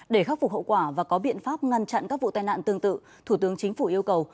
để khắc phục hậu quả và có biện pháp ngăn chặn các vụ tai nạn tương tự thủ tướng chính phủ yêu cầu